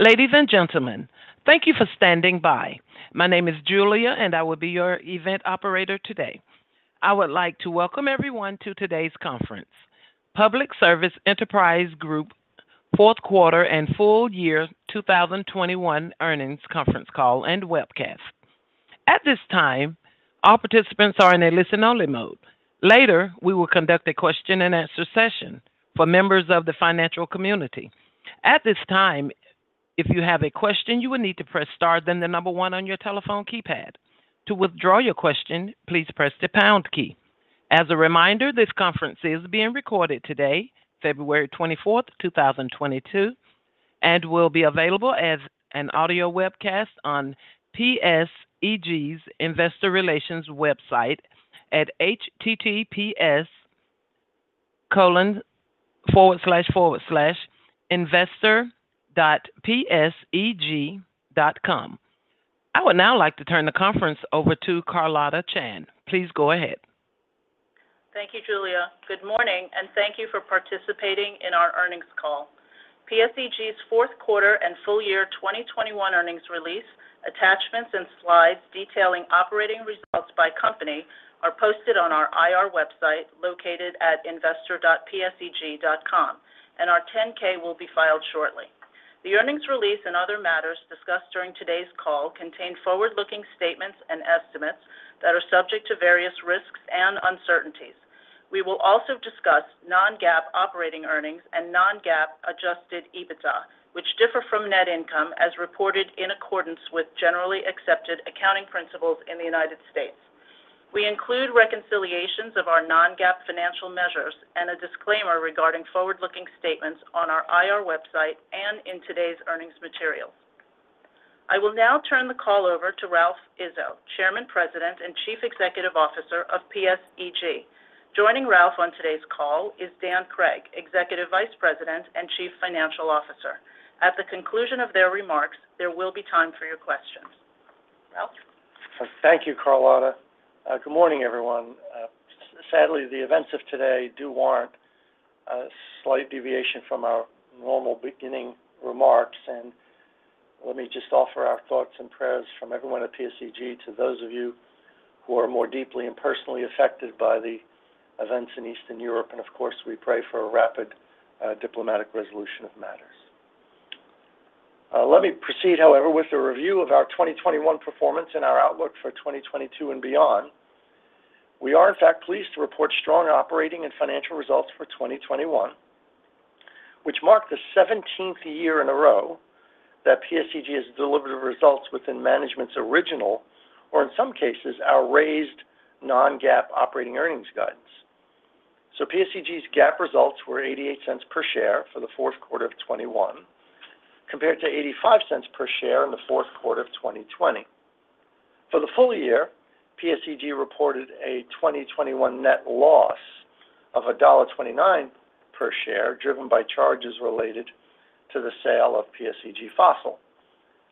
Ladies and gentlemen, thank you for standing by. My name is Julia, and I will be your event operator today. I would like to welcome everyone to today's conference, Public Service Enterprise Group Fourth Quarter and Full Year 2021 Earnings Conference Call and Webcast. At this time, all participants are in a listen-only mode. Later, we will conduct a question-and-answer session for members of the financial community. At this time, if you have a question, you will need to press star, then the number 1 on your telephone keypad. To withdraw your question, please press the pound key. As a reminder, this conference is being recorded today, February 24th, 2022, and will be available as an audio webcast on PSEG's Investor Relations Website at https://investor.pseg.com. I would now like to turn the conference over to Carlotta Chan. Please go ahead. Thank you, Julia. Good morning, and thank you for participating in our earnings call. PSEG's fourth quarter and full year 2021 earnings release, attachments, and slides detailing operating results by company are posted on our IR website located at investor.pseg.com, and our 10-K will be filed shortly. The earnings release and other matters discussed during today's call contain forward-looking statements and estimates that are subject to various risks and uncertainties. We will also discuss non-GAAP operating earnings and non-GAAP adjusted EBITDA, which differ from net income as reported in accordance with generally accepted accounting principles in the United States. We include reconciliations of our non-GAAP financial measures and a disclaimer regarding forward-looking statements on our IR website and in today's earnings materials. I will now turn the call over to Ralph Izzo, Chairman, President, and Chief Executive Officer of PSEG. Joining Ralph on today's call is Dan Cregg, Executive Vice President and Chief Financial Officer. At the conclusion of their remarks, there will be time for your questions. Ralph? Thank you, Carlotta. Good morning, everyone. Sadly, the events of today do warrant a slight deviation from our normal beginning remarks. Let me just offer our thoughts and prayers from everyone at PSEG to those of you who are more deeply and personally affected by the events in Eastern Europe. Of course, we pray for a rapid diplomatic resolution of matters. Let me proceed, however, with a review of our 2021 performance and our outlook for 2022 and beyond. We are in fact pleased to report strong operating and financial results for 2021, which marked the 17th year in a row that PSEG has delivered results within management's original, or in some cases, our raised non-GAAP operating earnings guidance. PSEG's GAAP results were $0.88 per share for the fourth quarter of 2021 compared to $0.85 per share in the fourth quarter of 2020. For the full year, PSEG reported a 2021 net loss of $1.29 per share, driven by charges related to the sale of PSEG Fossil.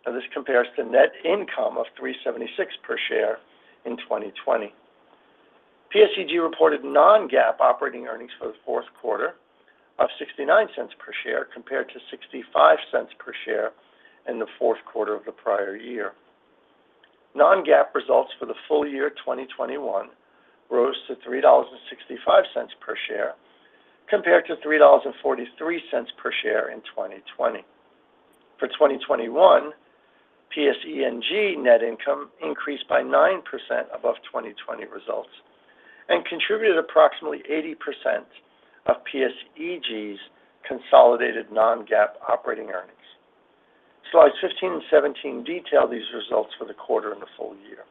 Now, this compares to net income of $3.76 per share in 2020. PSEG reported non-GAAP operating earnings for the fourth quarter of $0.69 per share compared to $0.65 per share in the fourth quarter of the prior year. Non-GAAP results for the full year 2021 rose to $3.65 per share compared to $3.43 per share in 2020. For 2021, PSEG net income increased by 9% above 2020 results and contributed approximately 80% of PSEG's consolidated non-GAAP operating earnings. Slides 15 and 17 detail these results for the quarter and the full year.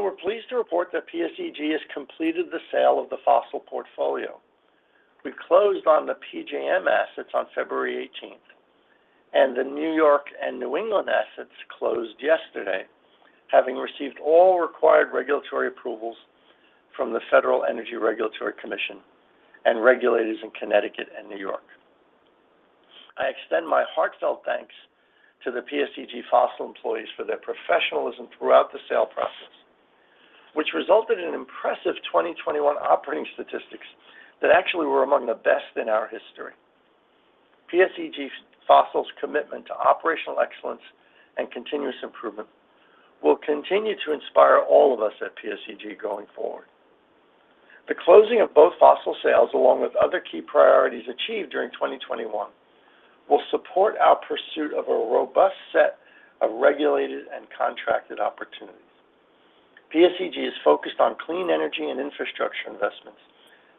We're pleased to report that PSEG has completed the sale of the Fossil portfolio. We closed on the PJM assets on February 18, and the New York and New England assets closed yesterday, having received all required regulatory approvals from the Federal Energy Regulatory Commission and regulators in Connecticut and New York. I extend my heartfelt thanks to the PSEG Fossil employees for their professionalism throughout the sale process, which resulted in impressive 2021 operating statistics that actually were among the best in our history. PSEG Fossil's commitment to operational excellence and continuous improvement will continue to inspire all of us at PSEG going forward. The closing of both Fossil sales, along with other key priorities achieved during 2021, will support our pursuit of a robust set of regulated and contracted opportunities. PSEG is focused on clean energy and infrastructure investments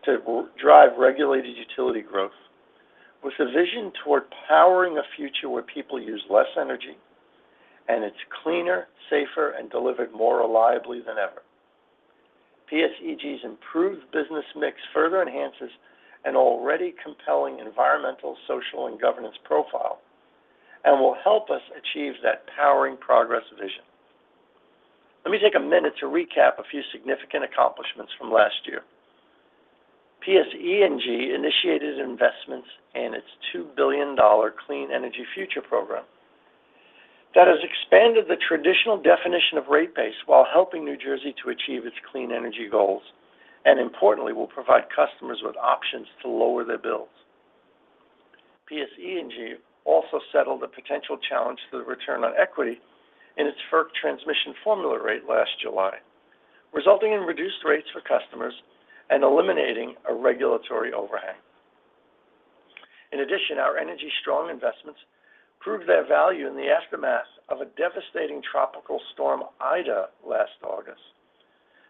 to drive regulated utility growth with a vision toward powering a future where people use less energy, and it's cleaner, safer, and delivered more reliably than ever. PSEG's improved business mix further enhances an already compelling environmental, social, and governance profile and will help us achieve that powering progress vision. Let me take a minute to recap a few significant accomplishments from last year. PSEG initiated investments in its $2 billion Clean Energy Future program. That has expanded the traditional definition of rate base while helping New Jersey to achieve its clean energy goals, and importantly, will provide customers with options to lower their bills. PSEG also settled a potential challenge to the return on equity in its FERC transmission formula rate last July, resulting in reduced rates for customers and eliminating a regulatory overhang. In addition, our Energy Strong investments proved their value in the aftermath of a devastating tropical storm Ida last August.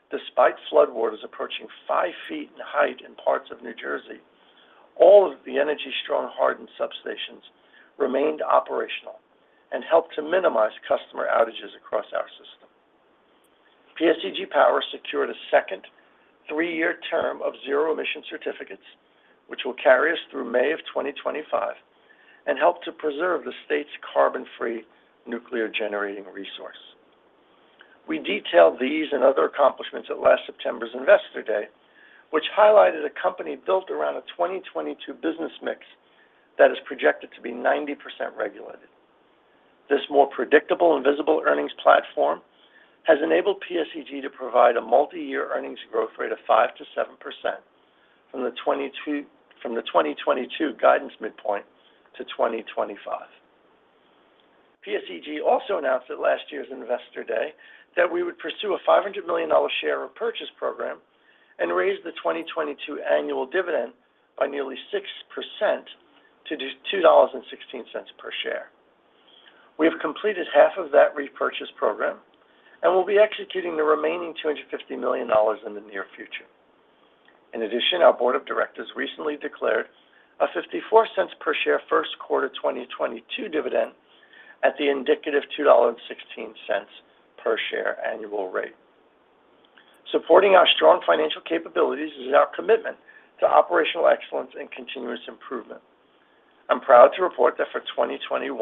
Despite floodwaters approaching 5 ft in height in parts of New Jersey, all of the Energy Strong hardened substations remained operational and helped to minimize customer outages across our system. PSEG Power secured a second three-year term of Zero Emission Certificates, which will carry us through May of 2025 and help to preserve the state's carbon-free nuclear generating resource. We detailed these and other accomplishments at last September's Investor Day, which highlighted a company built around a 2022 business mix that is projected to be 90% regulated. This more predictable and visible earnings platform has enabled PSEG to provide a multi-year earnings growth rate of 5%-7% from the 2022 guidance midpoint to 2025. PSEG also announced at last year's Investor Day that we would pursue a $500 million share repurchase program and raise the 2022 annual dividend by nearly 6% to $2.16 per share. We have completed half of that repurchase program and will be executing the remaining $250 million in the near future. In addition, our board of directors recently declared a $0.54 per share first quarter 2022 dividend at the indicative $2.16 per share annual rate. Supporting our strong financial capabilities is our commitment to operational excellence and continuous improvement. I'm proud to report that for 2021,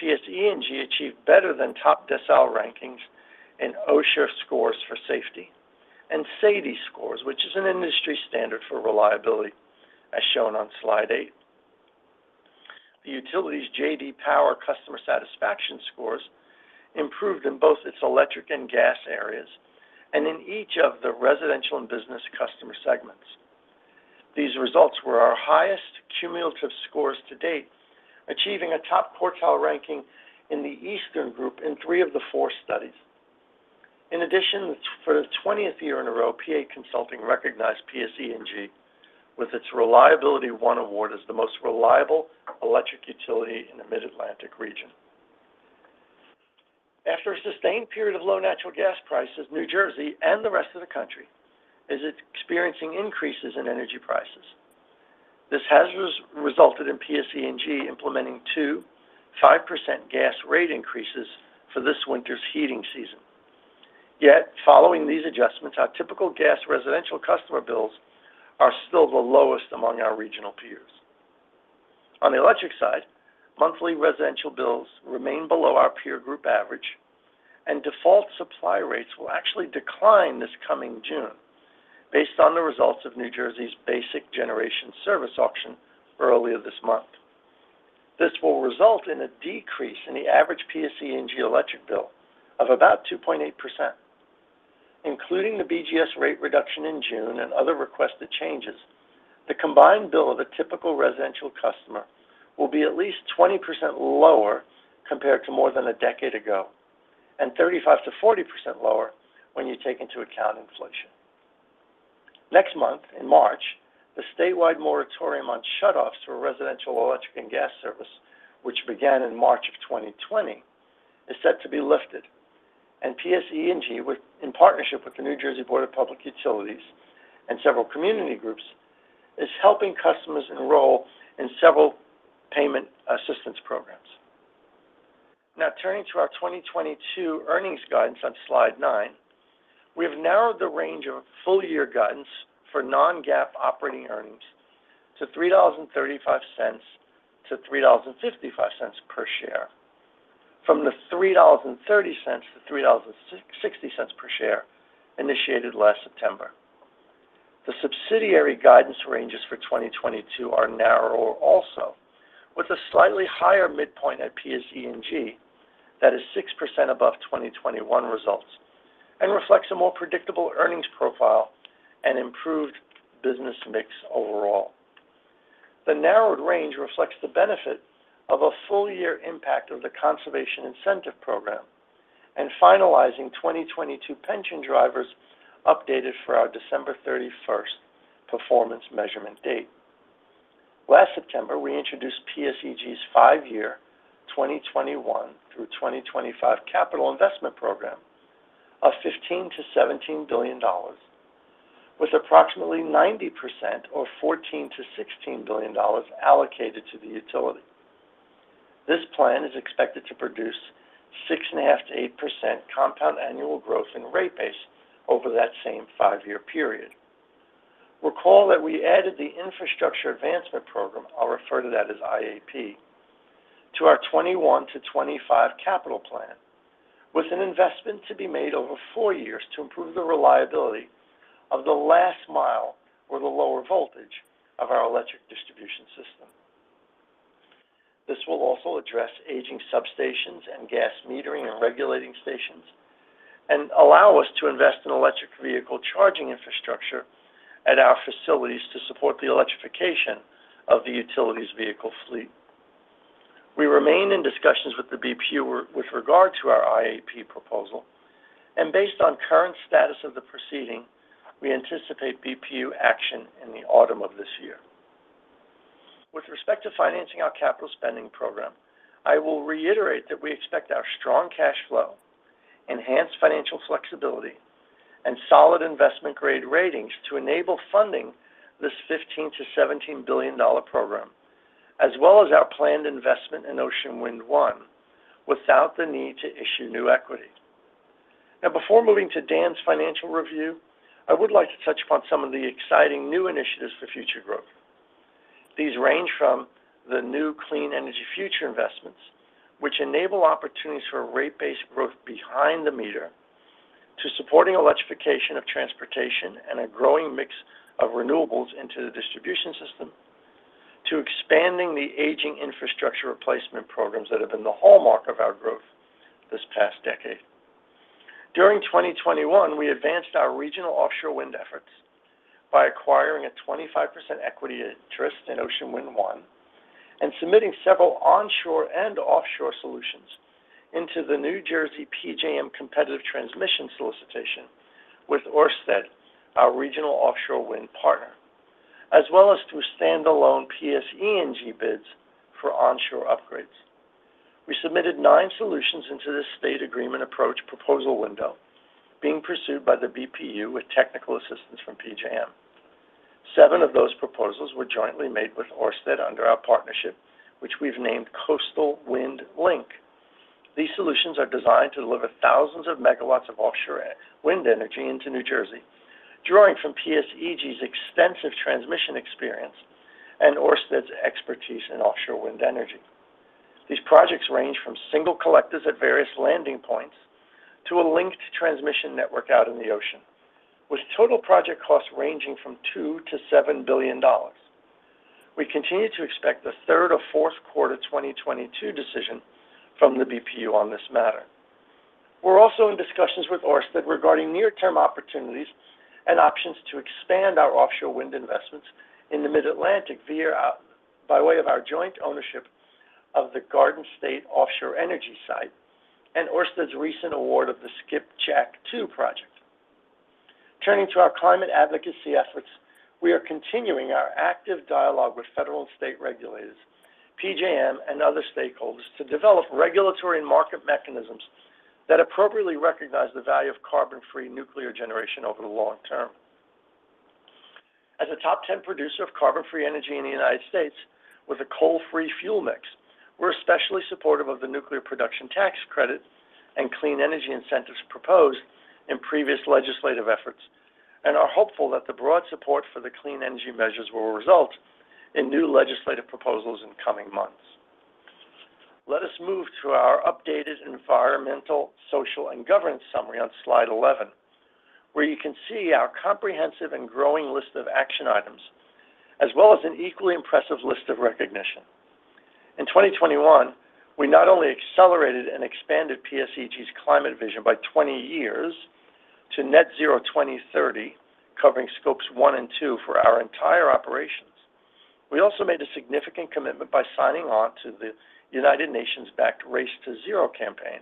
PSEG achieved better than top decile rankings in OSHA scores for safety and SAIDI scores, which is an industry standard for reliability, as shown on slide eight. The utility's J.D. Power customer satisfaction scores improved in both its electric and gas areas and in each of the residential and business customer segments. These results were our highest cumulative scores to date, achieving a top quartile ranking in the Eastern Group in three of the four studies. In addition, for the 20th year in a row, PA Consulting recognized PSEG with its ReliabilityOne Award as the most reliable electric utility in the Mid-Atlantic region. After a sustained period of low natural gas prices, New Jersey and the rest of the country is experiencing increases in energy prices. This has resulted in PSEG implementing two 5% gas rate increases for this winter's heating season. Yet following these adjustments, our typical gas residential customer bills are still the lowest among our regional peers. On the electric side, monthly residential bills remain below our peer group average, and default supply rates will actually decline this coming June based on the results of New Jersey's Basic Generation Service auction earlier this month. This will result in a decrease in the average PSEG electric bill of about 2.8%. Including the BGS rate reduction in June and other requested changes, the combined bill of a typical residential customer will be at least 20% lower compared to more than a decade ago, and 35%-40% lower when you take into account inflation. Next month, in March, the statewide moratorium on shutoffs for residential electric and gas service, which began in March of 2020, is set to be lifted. PSEG, in partnership with the New Jersey Board of Public Utilities and several community groups, is helping customers enroll in several payment assistance programs. Now turning to our 2022 earnings guidance on slide 9, we have narrowed the range of full-year guidance for non-GAAP operating earnings to $3.35-$3.55 per share from the $3.30-$3.60 per share initiated last September. The subsidiary guidance ranges for 2022 are narrower also, with a slightly higher midpoint at PSEG that is 6% above 2021 results and reflects a more predictable earnings profile and improved business mix overall. The narrowed range reflects the benefit of a full-year impact of the Conservation Incentive Program and finalizing 2022 pension drivers updated for our December 31st performance measurement date. Last September, we introduced PSEG's five-year 2021 through 2025 capital investment program of $15 billion-$17 billion, with approximately 90% or $14 billion-$16 billion allocated to the utility. This plan is expected to produce 6.5%-8% compound annual growth in rate base over that same five-year period. Recall that we added the Infrastructure Advancement Program, I'll refer to that as IAP, to our 2021-2025 capital plan. With an investment to be made over four years to improve the reliability of the last mile or the lower voltage of our electric distribution system. This will also address aging substations and gas metering and regulating stations and allow us to invest in electric vehicle charging infrastructure at our facilities to support the electrification of the utility's vehicle fleet. We remain in discussions with the BPU with regard to our IAP proposal, and based on current status of the proceeding, we anticipate BPU action in the autumn of this year. With respect to financing our capital spending program, I will reiterate that we expect our strong cash flow, enhanced financial flexibility, and solid investment-grade ratings to enable funding this $15 billion-$17 billion program, as well as our planned investment in Ocean Wind 1, without the need to issue new equity. Now, before moving to Dan's financial review, I would like to touch upon some of the exciting new initiatives for future growth. These range from the new Clean Energy Future investments, which enable opportunities for rate-based growth behind the meter, to supporting electrification of transportation and a growing mix of renewables into the distribution system, to expanding the aging infrastructure replacement programs that have been the hallmark of our growth this past decade. During 2021, we advanced our regional offshore wind efforts by acquiring a 25% equity interest in Ocean Wind 1 and submitting several onshore and offshore solutions into the New Jersey PJM Competitive Transmission Solicitation with Ørsted, our regional offshore wind partner, as well as through standalone PSEG bids for onshore upgrades. We submitted nine solutions into the State Agreement Approach proposal window being pursued by the BPU with technical assistance from PJM. Seven of those proposals were jointly made with Ørsted under our partnership, which we've named Coastal Wind Link. These solutions are designed to deliver thousands of megawatts of offshore wind energy into New Jersey, drawing from PSEG's extensive transmission experience and Ørsted's expertise in offshore wind energy. These projects range from single collectors at various landing points to a linked transmission network out in the ocean, with total project costs ranging from $2 billion-$7 billion. We continue to expect a third or fourth quarter 2022 decision from the BPU on this matter. We're also in discussions with Ørsted regarding near-term opportunities and options to expand our offshore wind investments in the Mid-Atlantic via, by way of our joint ownership of the Garden State Offshore Energy site and Ørsted's recent award of the Skipjack Wind 2 project. Turning to our climate advocacy efforts, we are continuing our active dialogue with federal and state regulators, PJM, and other stakeholders to develop regulatory and market mechanisms that appropriately recognize the value of carbon-free nuclear generation over the long term. As a top 10 producer of carbon-free energy in the United States with a coal-free fuel mix, we're especially supportive of the nuclear production tax credit and clean energy incentives proposed in previous legislative efforts and are hopeful that the broad support for the clean energy measures will result in new legislative proposals in coming months. Let us move to our updated environmental, social, and governance summary on slide 11, where you can see our comprehensive and growing list of action items as well as an equally impressive list of recognition. In 2021, we not only accelerated and expanded PSEG's climate vision by 20 years to net zero 2030, covering Scopes 1 and 2 for our entire operations. We also made a significant commitment by signing on to the United Nations-backed Race to Zero campaign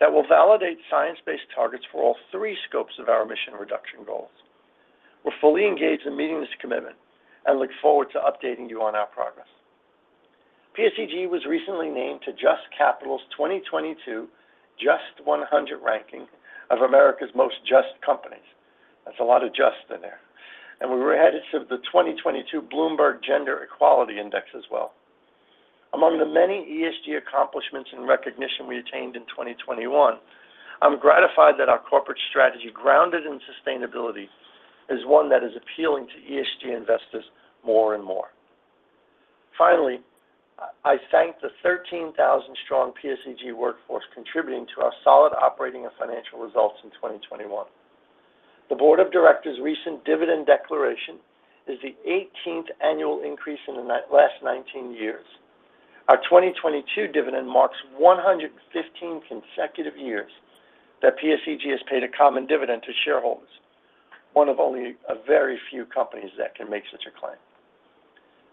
that will validate science-based targets for all three scopes of our emission reduction goals. We're fully engaged in meeting this commitment and look forward to updating you on our progress. PSEG was recently named to JUST Capital's 2022 JUST 100 ranking of America's most JUST Companies. That's a lot of JUST in there. We were added to the 2022 Bloomberg Gender-Equality Index as well. Among the many ESG accomplishments and recognition we attained in 2021, I'm gratified that our corporate strategy, grounded in sustainability, is one that is appealing to ESG investors more and more. Finally, I thank the 13,000-strong PSEG workforce contributing to our solid operating and financial results in 2021. The board of directors' recent dividend declaration is the 18th annual increase in the last 19 years. Our 2022 dividend marks 115 consecutive years that PSEG has paid a common dividend to shareholders, one of only a very few companies that can make such a claim.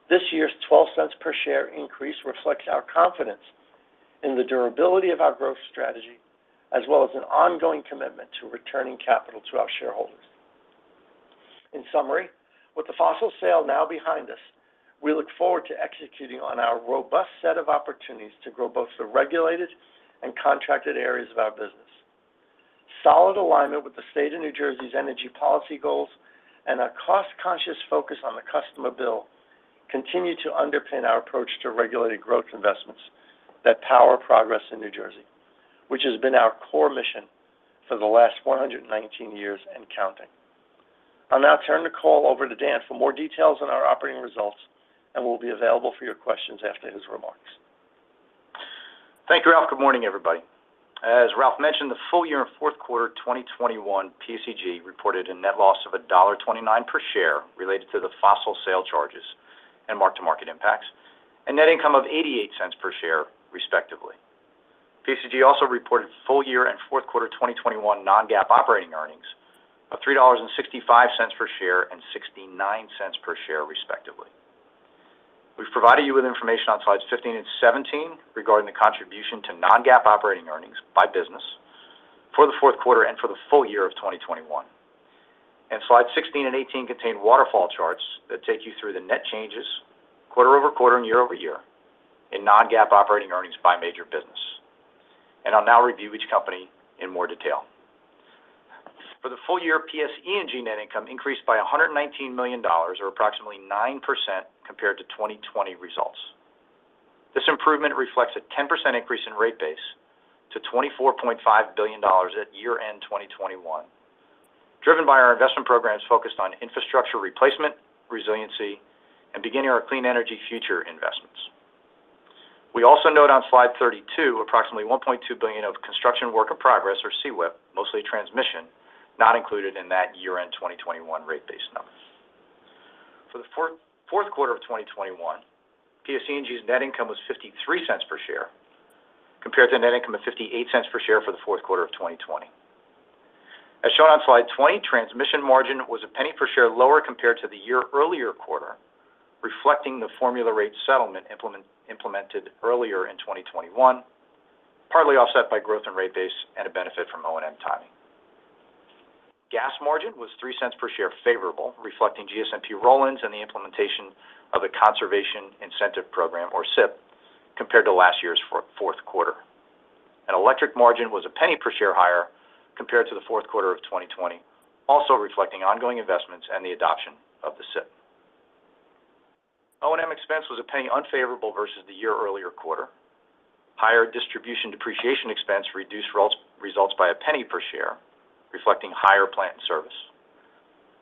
This year's $0.12 per share increase reflects our confidence in the durability of our growth strategy as well as an ongoing commitment to returning capital to our shareholders. In summary, with the fossil sale now behind us, we look forward to executing on our robust set of opportunities to grow both the regulated and contracted areas of our business. Solid alignment with the State of New Jersey's energy policy goals and our cost-conscious focus on the customer bill continue to underpin our approach to regulated growth investments that power progress in New Jersey, which has been our core mission for the last 119 years and counting. I'll now turn the call over to Dan for more details on our operating results, and we'll be available for your questions after his remarks. Thank you, Ralph. Good morning, everybody. As Ralph mentioned, the full year and fourth quarter 2021 PSEG reported a net loss of $1.29 per share related to the fossil sale charges and mark-to-market impacts, and net income of $0.88 per share, respectively. PSEG also reported full year and fourth quarter 2021 non-GAAP operating earnings of $3.65 per share and $0.69 per share, respectively. We've provided you with information on slides 15 and 17 regarding the contribution to non-GAAP operating earnings by business for the fourth quarter and for the full year of 2021. Slides 16 and 18 contain waterfall charts that take you through the net changes quarter-over-quarter and year-over-year in non-GAAP operating earnings by major business. I'll now review each company in more detail. For the full year, PSE&G net income increased by $119 million or approximately 9% compared to 2020 results. This improvement reflects a 10% increase in rate base to $24.5 billion at year-end 2021, driven by our investment programs focused on infrastructure replacement, resiliency, and beginning our Clean Energy Future investments. We also note on slide 32 approximately $1.2 billion of Construction Work in Progress, or CWIP, mostly transmission, not included in that year-end 2021 rate base number. For the fourth quarter of 2021, PSE&G's net income was $0.53 per share compared to net income of $0.58 per share for the fourth quarter of 2020. As shown on slide 20, transmission margin was $0.01 per share lower compared to the year earlier quarter, reflecting the formula rate settlement implemented earlier in 2021, partly offset by growth in rate base and a benefit from O&M timing. Gas margin was $0.03 per share favorable, reflecting GSMP roll-ins and the implementation of the Conservation Incentive Program, or CIP, compared to last year's fourth quarter. Electric margin was $0.01 per share higher compared to the fourth quarter of 2020, also reflecting ongoing investments and the adoption of the CIP. O&M expense was $0.01 unfavorable versus the year earlier quarter. Higher distribution depreciation expense reduced results by $0.01 per share, reflecting higher plant in service.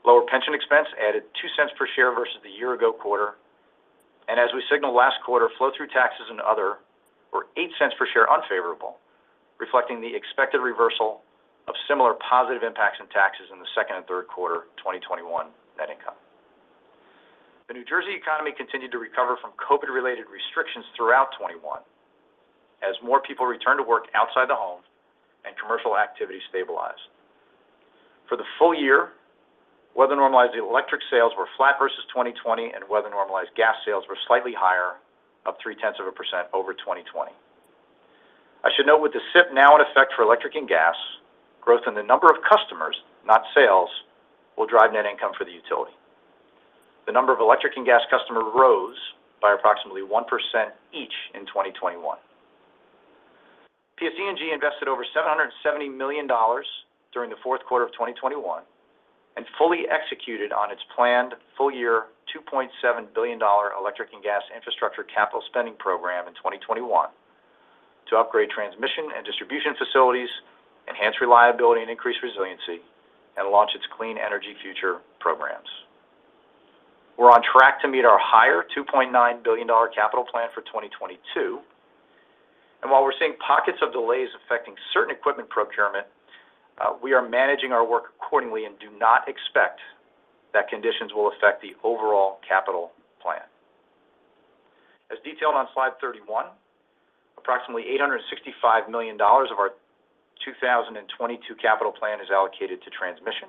Lower pension expense added $0.02 per share versus the year ago quarter. As we signaled last quarter, flow-through taxes and other were $0.08 per share unfavorable, reflecting the expected reversal of similar positive impacts in taxes in the second and third quarter 2021 net income. The New Jersey economy continued to recover from COVID-related restrictions throughout 2021 as more people returned to work outside the home and commercial activity stabilized. For the full year, weather normalized electric sales were flat versus 2020, and weather normalized gas sales were slightly higher of 0.3% over 2020. I should note with the CIP now in effect for electric and gas, growth in the number of customers, not sales, will drive net income for the utility. The number of electric and gas customers rose by approximately 1% each in 2021. PSE&G invested over $770 million during the fourth quarter of 2021 and fully executed on its planned full year $2.7 billion electric and gas infrastructure capital spending program in 2021 to upgrade transmission and distribution facilities, enhance reliability and increase resiliency, and launch its Clean Energy Future programs. We're on track to meet our higher $2.9 billion capital plan for 2022. While we're seeing pockets of delays affecting certain equipment procurement, we are managing our work accordingly and do not expect that conditions will affect the overall capital plan. As detailed on slide 31, approximately $865 million of our 2022 capital plan is allocated to transmission,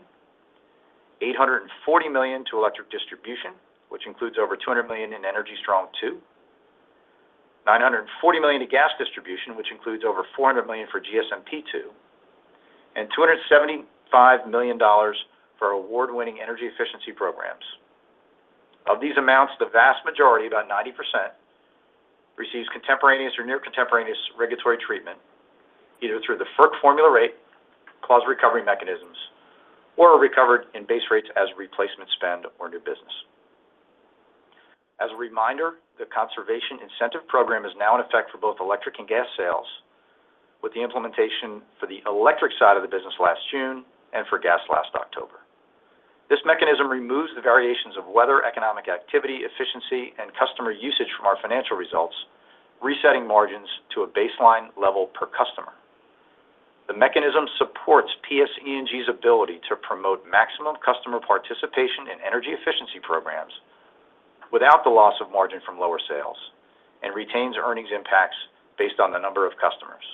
$840 million to electric distribution, which includes over $200 million in Energy Strong II, $940 million to gas distribution, which includes over $400 million for GSMP II, and $275 million for award-winning energy efficiency programs. Of these amounts, the vast majority, about 90%, receives contemporaneous or near contemporaneous regulatory treatment, either through the FERC formula rate, cause recovery mechanisms, or are recovered in base rates as replacement spend or new business. As a reminder, the Conservation Incentive Program is now in effect for both electric and gas sales with the implementation for the electric side of the business last June and for gas last October. This mechanism removes the variations of weather, economic activity, efficiency, and customer usage from our financial results, resetting margins to a baseline level per customer. The mechanism supports PSE&G's ability to promote maximum customer participation in energy efficiency programs without the loss of margin from lower sales and retains earnings impacts based on the number of customers.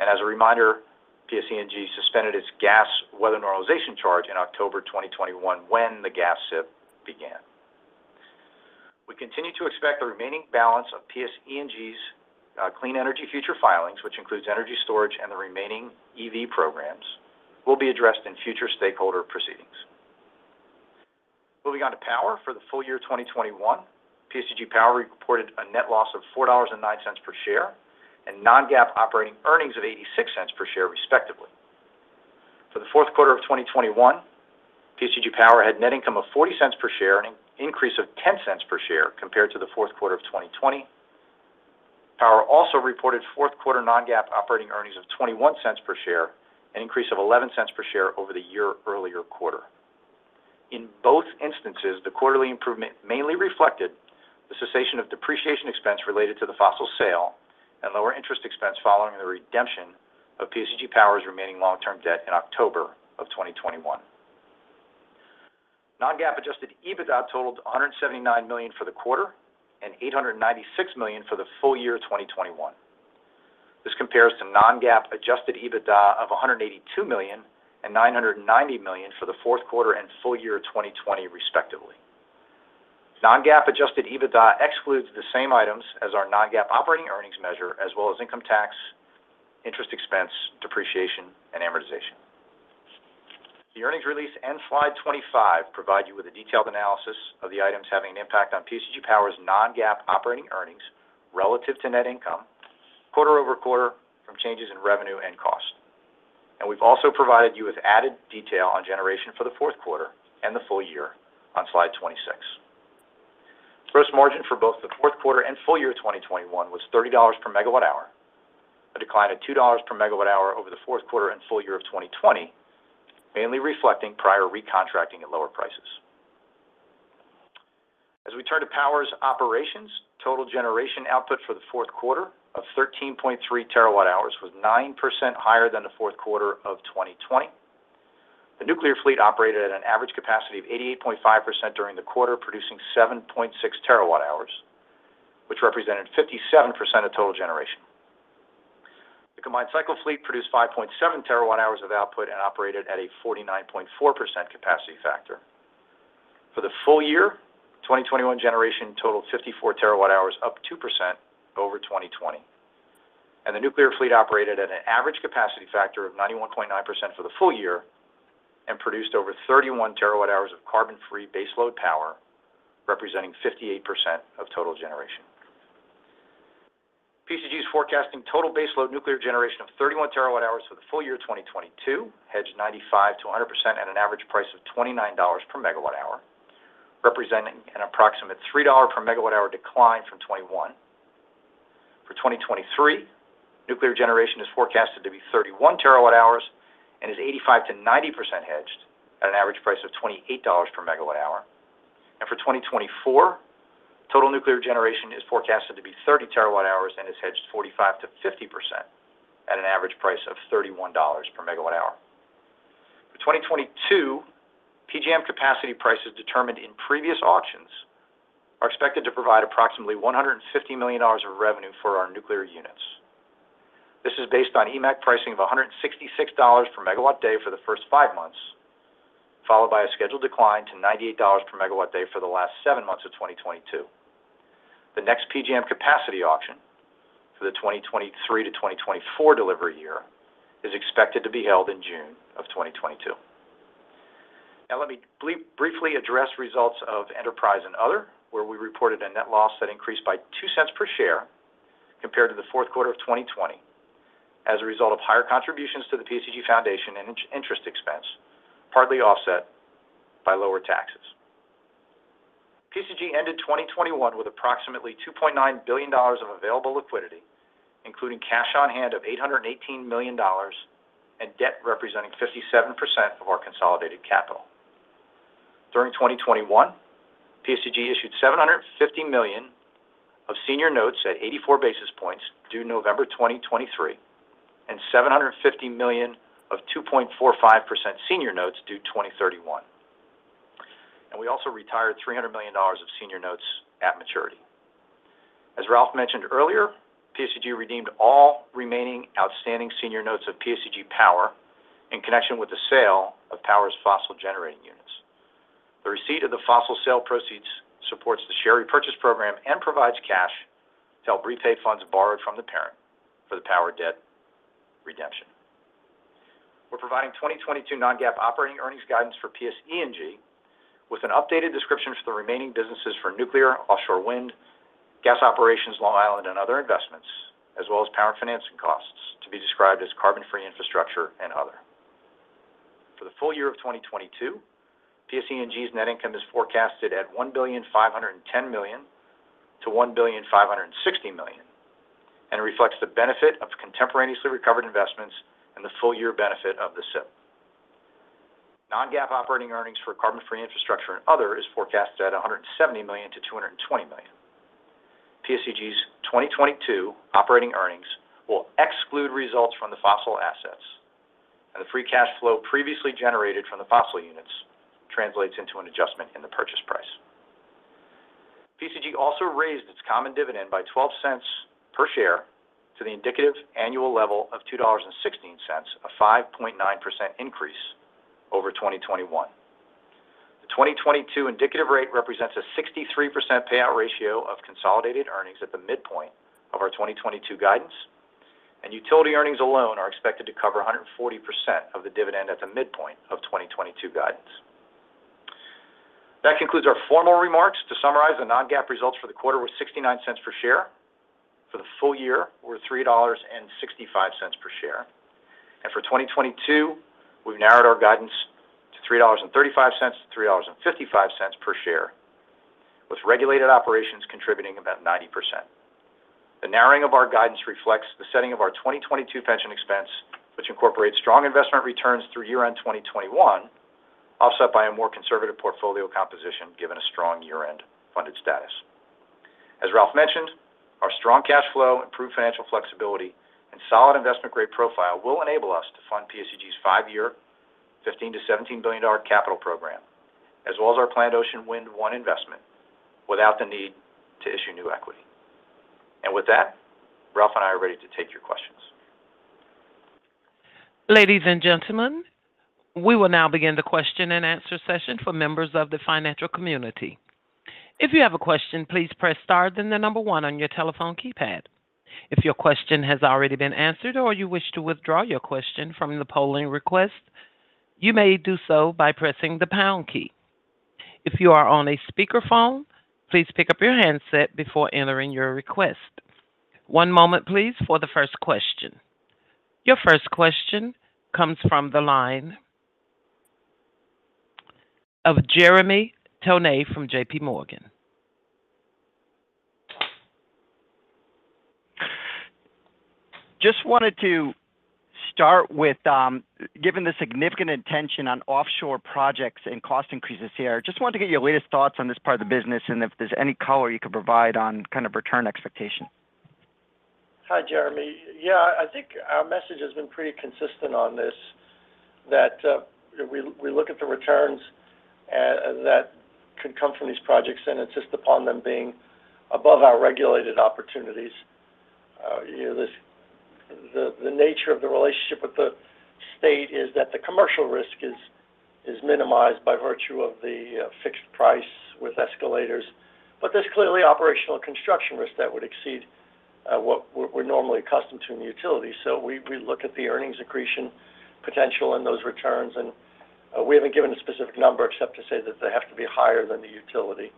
As a reminder, PSE&G suspended its gas weather normalization charge in October 2021 when the gas CIP began. We continue to expect the remaining balance of PSE&G's Clean Energy Future filings, which includes energy storage and the remaining EV programs, will be addressed in future stakeholder proceedings. Moving on to power. For the full year 2021, PSEG Power reported a net loss of $4.09 per share and non-GAAP operating earnings of $0.86 per share, respectively. For the fourth quarter of 2021, PSEG Power had net income of $0.40 per share and an increase of $0.10 per share compared to the fourth quarter of 2020. Power also reported fourth quarter non-GAAP operating earnings of $0.21 per share, an increase of $0.11 per share over the year earlier quarter. In both instances, the quarterly improvement mainly reflected the cessation of depreciation expense related to the fossil sale and lower interest expense following the redemption of PSEG Power's remaining long-term debt in October of 2021. Non-GAAP adjusted EBITDA totaled $179 million for the quarter and $896 million for the full year of 2021. This compares to non-GAAP adjusted EBITDA of $182 million and $990 million for the fourth quarter and full year of 2020 respectively. Non-GAAP adjusted EBITDA excludes the same items as our non-GAAP operating earnings measure as well as income tax, interest expense, depreciation, and amortization. The earnings release and slide 25 provide you with a detailed analysis of the items having an impact on PSEG Power's non-GAAP operating earnings relative to net income quarter over quarter from changes in revenue and cost. We've also provided you with added detail on generation for the fourth quarter and the full year on slide 26. Gross margin for both the fourth quarter and full year of 2021 was $30/MWh, a decline of $2 per MWh over the fourth quarter and full year of 2020, mainly reflecting prior recontracting at lower prices. As we turn to Power's operations, total generation output for the fourth quarter of 13.3 TWh was 9% higher than the fourth quarter of 2020. The nuclear fleet operated at an average capacity of 88.5% during the quarter, producing 7.6 TWh, which represented 57% of total generation. The combined cycle fleet produced 5.7 TWh of output and operated at a 49.4% capacity factor. For the full year, 2021 generation totaled 54 TWh, up 2% over 2020. The nuclear fleet operated at an average capacity factor of 91.9% for the full year and produced over 31 TWh of carbon-free base load power, representing 58% of total generation. PSEG is forecasting total base load nuclear generation of 31 TWh for the full year of 2022, hedged 95%-100% at an average price of $29/MWh, representing an approximate $3/MWh decline from 2021. For 2023, nuclear generation is forecasted to be 31 TWh and is 85%-90% hedged at an average price of $28/MWh. For 2024, total nuclear generation is forecasted to be 30 TWh and is hedged 45%-50% at an average price of $31/MWh. For 2022, PJM capacity prices determined in previous auctions are expected to provide approximately $150 million of revenue for our nuclear units. This is based on EMAAC pricing of $166/MW-day for the first 5 months, followed by a scheduled decline to $98/MW-day for the last 7 months of 2022. The next PJM capacity auction for the 2023-2024 delivery year is expected to be held in June 2022. Now let me briefly address results of Enterprise and Other, where we reported a net loss that increased by $0.02 per share compared to the fourth quarter of 2020 as a result of higher contributions to the PSEG Foundation and interest expense, partly offset by lower taxes. PSEG ended 2021 with approximately $2.9 billion of available liquidity, including cash on hand of $818 million and debt representing 57% of our consolidated capital. During 2021, PSEG issued $750 million of senior notes at 84 basis points due November 2023 and $750 million of 2.45% senior notes due 2031. We also retired $300 million of senior notes at maturity. As Ralph mentioned earlier, PSEG redeemed all remaining outstanding senior notes of PSEG Power in connection with the sale of Power's fossil generating units. The receipt of the fossil sale proceeds supports the share repurchase program and provides cash to help repay funds borrowed from the parent for the Power debt redemption. We're providing 2022 non-GAAP operating earnings guidance for PSE&G with an updated description for the remaining businesses for nuclear, offshore wind, gas operations, Long Island, and other investments, as well as power financing costs to be described as carbon-free infrastructure and other. For the full year of 2022, PSE&G's net income is forecasted at $1.51 billion-$1.56 billion, and it reflects the benefit of contemporaneously recovered investments and the full year benefit of the CIP. Non-GAAP operating earnings for carbon-free infrastructure and other is forecasted at $170 million-$220 million. PSEG's 2022 operating earnings will exclude results from the fossil assets, and the free cash flow previously generated from the fossil units translates into an adjustment in the purchase price. PSEG also raised its common dividend by $0.12 per share to the indicative annual level of $2.16, a 5.9% increase over 2021. The 2022 indicative rate represents a 63% payout ratio of consolidated earnings at the midpoint of our 2022 guidance, and utility earnings alone are expected to cover 140% of the dividend at the midpoint of 2022 guidance. That concludes our formal remarks. To summarize, the non-GAAP results for the quarter were $0.69 per share. For the full year, we're $3.65 per share. For 2022, we've narrowed our guidance to $3.35-$3.55 per share, with regulated operations contributing about 90%. The narrowing of our guidance reflects the setting of our 2022 pension expense, which incorporates strong investment returns through year-end 2021, offset by a more conservative portfolio composition given a strong year-end funded status. As Ralph mentioned, our strong cash flow, improved financial flexibility, and solid investment grade profile will enable us to fund PSEG's five-year $15 billion-$17 billion capital program, as well as our planned Ocean Wind 1 investment, without the need to issue new equity. With that, Ralph and I are ready to take your questions. Ladies and gentlemen, we will now begin the question-and-answer session for members of the financial community. If you have a question, please press star, then 1 on your telephone keypad. If your question has already been answered or you wish to withdraw your question from the polling request, you may do so by pressing the pound key. If you are on a speakerphone, please pick up your handset before entering your request. One moment, please, for the first question. Your first question comes from the line of Jeremy Tonet from JPMorgan. Just wanted to start with, given the significant attention on offshore projects and cost increases here, just wanted to get your latest thoughts on this part of the business and if there's any color you could provide on kind of return expectation? Hi, Jeremy. Yeah, I think our message has been pretty consistent on this, that we look at the returns that can come from these projects, and insist upon them being above our regulated opportunities. You know, the nature of the relationship with the state is that the commercial risk is minimized by virtue of the fixed price with escalators. There's clearly operational construction risk that would exceed what we're normally accustomed to in utility. We look at the earnings accretion potential in those returns, and we haven't given a specific number except to say that they have to be higher than the utility.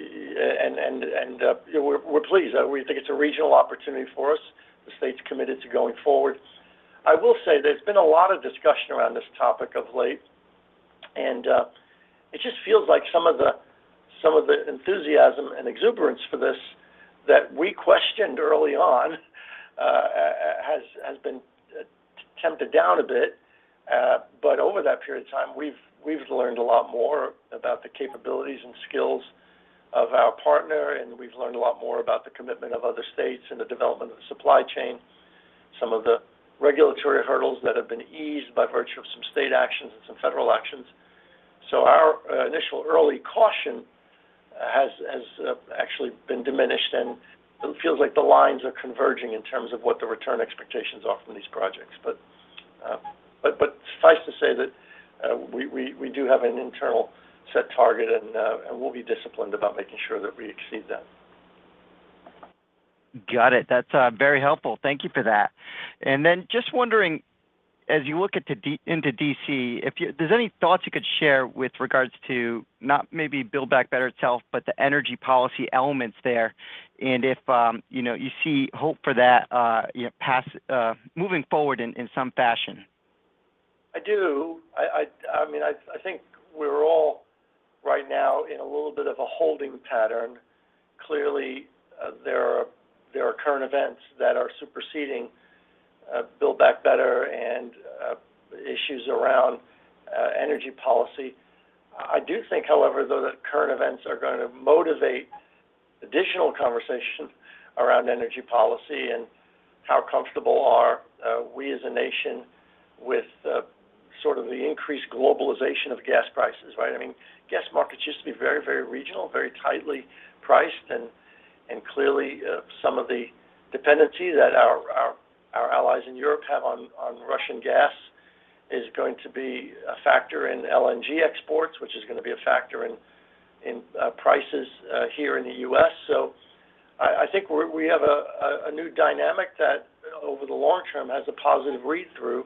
And you know, we're pleased. We think it's a regional opportunity for us. The state's committed to going forward. I will say there's been a lot of discussion around this topic of late, and it just feels like some of the enthusiasm and exuberance for this that we questioned early on has been tamped down a bit. Over that period of time, we've learned a lot more about the capabilities and skills of our partner, and we've learned a lot more about the commitment of other states and the development of the supply chain, some of the regulatory hurdles that have been eased by virtue of some state actions and some federal actions. Our initial early caution has actually been diminished, and it feels like the lines are converging in terms of what the return expectations are from these projects. Suffice to say that we do have an internal set target and we'll be disciplined about making sure that we exceed that. Got it. That's very helpful. Thank you for that. Just wondering, as you look into D.C., if there's any thoughts you could share with regards to not maybe Build Back Better itself, but the energy policy elements there, and if you know, you see hope for that, you know, passage moving forward in some fashion. I do. I mean, I think we're all right now in a little bit of a holding pattern. Clearly, there are current events that are superseding Build Back Better and issues around energy policy. I do think, however, though, that current events are gonna motivate additional conversation around energy policy and how comfortable are we as a nation with sort of the increased globalization of gas prices, right? I mean, gas markets used to be very regional, very tightly priced. Clearly, some of the dependency that our allies in Europe have on Russian gas is going to be a factor in LNG exports, which is gonna be a factor in prices here in the U.S. I think we have a new dynamic that over the long term has a positive read-through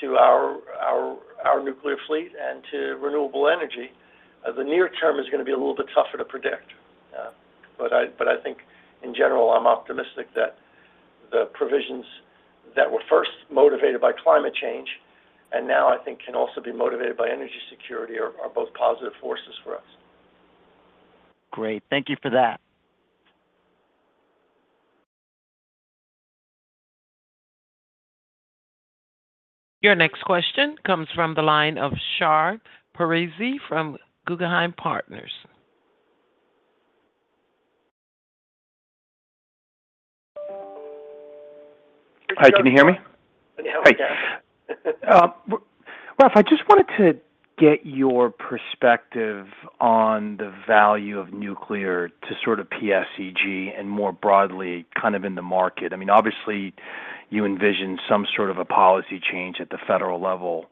to our nuclear fleet and to renewable energy. The near term is gonna be a little bit tougher to predict. I think in general I'm optimistic that the provisions that were first motivated by climate change and now I think can also be motivated by energy security are both positive forces for us. Great. Thank you for that. Your next question comes from the line of Shar Pourreza from Guggenheim Partners. Hi. Can you hear me? Let me help you down. Great. Ralph, I just wanted to get your perspective on the value of nuclear to sort of PSEG and more broadly kind of in the market. I mean, obviously you envision some sort of a policy change at the federal level.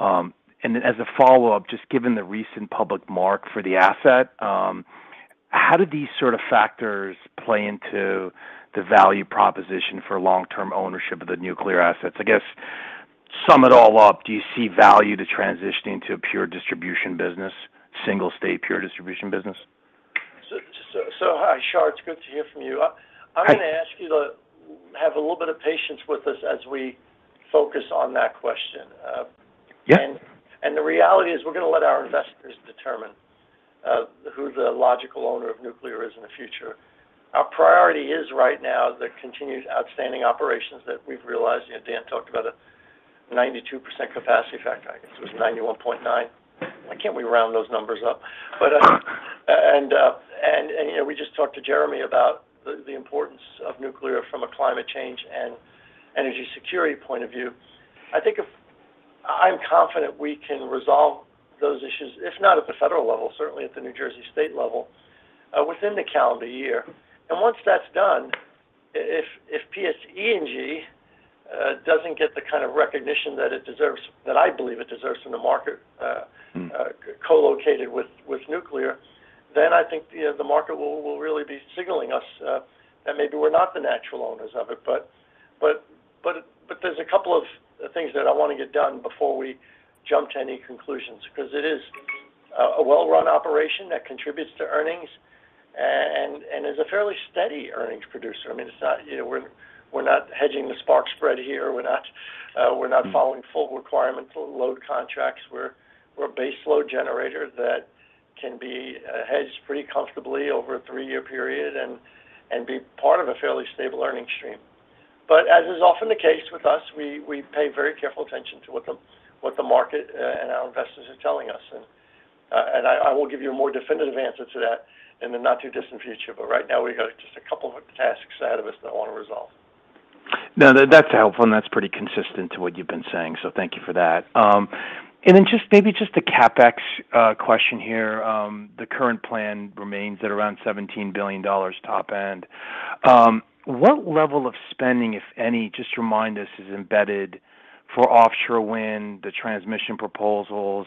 As a follow-up, just given the recent public mark for the asset, how do these sort of factors play into the value proposition for long-term ownership of the nuclear assets? I guess Sum it all up, do you see value to transitioning to a pure distribution business, single state pure distribution business? Hi, Shar, it's good to hear from you. Hi. I'm gonna ask you to have a little bit of patience with us as we focus on that question. Yeah. The reality is we're gonna let our investors determine who the logical owner of nuclear is in the future. Our priority is right now the continued outstanding operations that we've realized. You know, Dan talked about a 92% capacity factor. I guess it was 91.9. Why can't we round those numbers up? You know, we just talked to Jeremy about the importance of nuclear from a climate change and energy security point of view. I think if I'm confident we can resolve those issues, if not at the federal level, certainly at the New Jersey state level within the calendar year. Once that's done, if PSE&G doesn't get the kind of recognition that it deserves, that I believe it deserves in the market. Mm. Co-located with nuclear, then I think, you know, the market will really be signaling us that maybe we're not the natural owners of it. But there's a couple of things that I wanna get done before we jump to any conclusions because it is a well-run operation that contributes to earnings and is a fairly steady earnings producer. I mean, it's not. You know, we're not hedging the spark spread here. We're not following full requirements or load contracts. We're a base load generator that can be hedged pretty comfortably over a three-year period and be part of a fairly stable earning stream. But as is often the case with us, we pay very careful attention to what the market and our investors are telling us. I will give you a more definitive answer to that in the not too distant future. Right now we've got just a couple of tasks ahead of us that I wanna resolve. No, that's helpful, and that's pretty consistent to what you've been saying, so thank you for that. Just maybe a CapEx question here. The current plan remains at around $17 billion top-end. What level of spending, if any, just remind us, is embedded for offshore wind, the transmission proposals,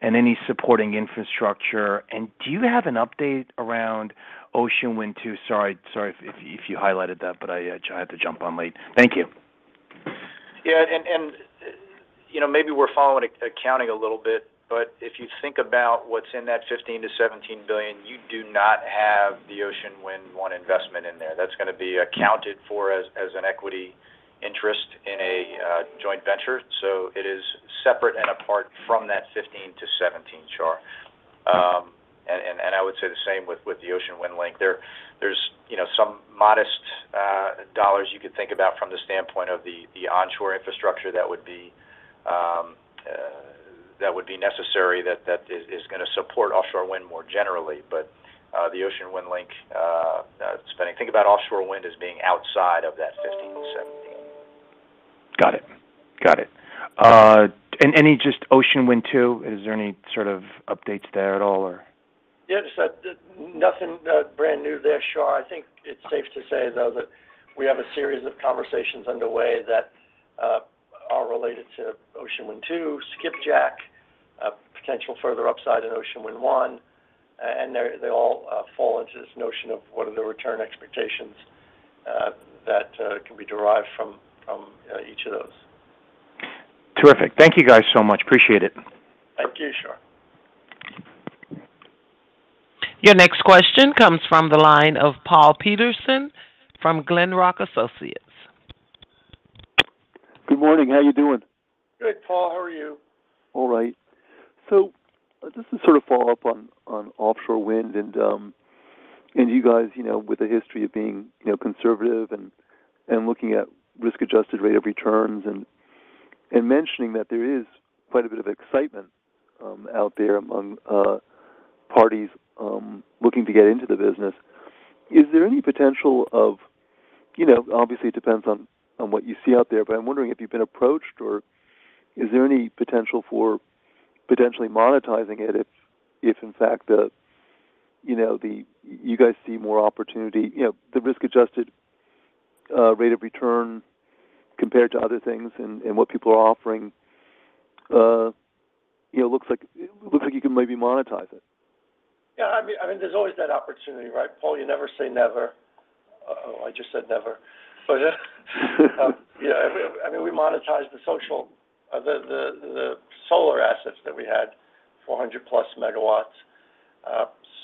and any supporting infrastructure? Do you have an update around Ocean Wind 2? Sorry, if you highlighted that, but I had to jump on late. Thank you. Yeah. You know, maybe we're following accounting a little bit, but if you think about what's in that $15 billion-$17 billion, you do not have the Ocean Wind 1 investment in there. That's gonna be accounted for as an equity interest in a joint venture. It is separate and apart from that $15 billion-$17 billion, Shar. I would say the same with the Coastal Wind Link. There's, you know, some modest dollars you could think about from the standpoint of the onshore infrastructure that would be necessary that is gonna support offshore wind more generally. The Coastal Wind Link spending. Think about offshore wind as being outside of that $15 billion-$17 billion. Got it. Any just Ocean Wind 2? Is there any sort of updates there at all or? Yeah, just nothing brand new there, Shar. I think it's safe to say, though, that we have a series of conversations underway that are related to Ocean Wind 2, Skipjack, potential further upside in Ocean Wind 1, and they all fall into this notion of what are the return expectations that can be derived from each of those. Terrific. Thank you guys so much. Appreciate it. Thank you, Shar. Your next question comes from the line of Paul Patterson from Glenrock Associates. Good morning. How you doing? Good, Paul. How are you? All right. Just to sort of follow up on offshore wind and you guys, you know, with a history of being, you know, conservative and looking at risk-adjusted rate of returns and mentioning that there is quite a bit of excitement out there among parties looking to get into the business. Is there any potential of, you know, obviously it depends on what you see out there, but I'm wondering if you've been approached or is there any potential for potentially monetizing it if, in fact, you know, you guys see more opportunity, you know, the risk-adjusted rate of return compared to other things and what people are offering, you know, looks like you can maybe monetize it. Yeah. I mean, there's always that opportunity, right, Paul? You never say never. I just said never. But yeah. I mean, we monetized the solar assets that we had, 400MW+.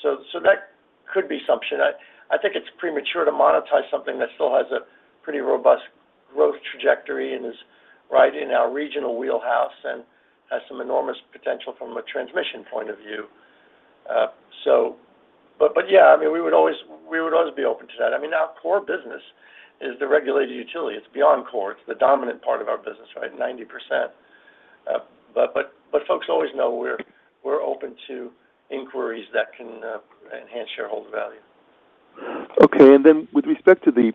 So that could be something. I think it's premature to monetize something that still has a pretty robust growth trajectory and is right in our regional wheelhouse and has some enormous potential from a transmission point of view. So, but yeah, I mean, we would always be open to that. I mean, our core business is the regulated utility. It's beyond core. It's the dominant part of our business, right? 90%. But folks always know we're open to inquiries that can enhance shareholder value. Okay. With respect to the